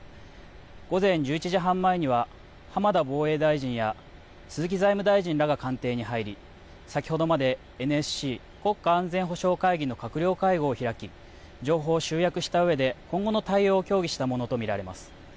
午前１１時半前には、浜田防衛大臣や鈴木財務大臣らが官邸に入り、先ほどまでＮＳＣ・国家安全保障会議の閣僚会合を開き、情報を集約したうえで、今後の対応を協議したものと見られます。